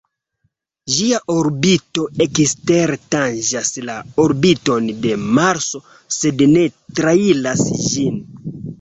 Ĝia orbito ekstere tanĝas la orbiton de Marso sed ne trairas ĝin.